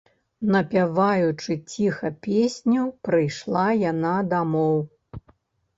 Напяваючы ціха песню, прыйшла яна дамоў.